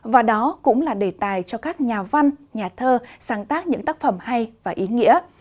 và đó cũng là đề tài cho các nhà văn nhà thơ sáng tác những tác phẩm hay và ý nghĩa